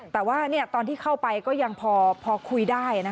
แต่ว่าตอนที่เข้าไปก็ยังพอคุยได้